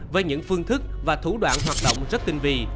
với những phương thức và thủ đoạn hoạt động rất tinh vị